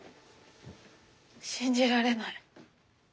信じられない。